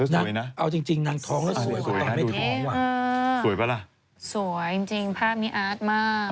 แน่ะเอาจริงจริงนางทอมก็สวยกว่ามากสวยป่าล่ะสวยจริงจริงภาพนี้อาร์ตมาก